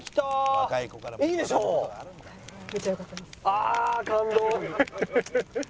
ああ感動！